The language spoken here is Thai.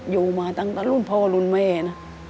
อยู่มาตั้งแต่รุ่นพ่อรุ่นแม่นะ